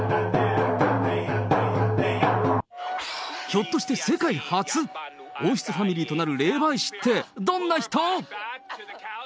ひょっとして世界初？王室ファミリーとなる霊媒師って、どんな人？